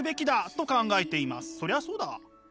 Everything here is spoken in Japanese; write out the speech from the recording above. そりゃそうだ。